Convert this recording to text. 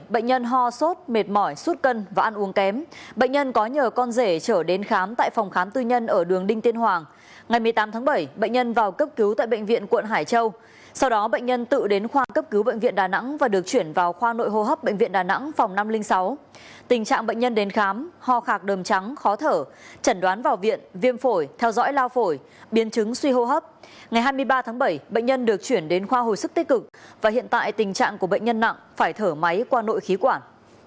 bệnh nhân đang nằm điều trị tại khoa hồi sức tích cực và hiện tại tình trạng của bệnh nhân nặng phải thở máy qua nội khí quản